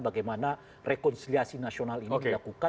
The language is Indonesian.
bagaimana rekonsiliasi nasional ini dilakukan